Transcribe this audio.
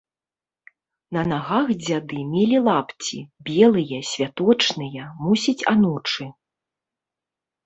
На нагах дзяды мелі лапці, белыя, святочныя, мусіць, анучы.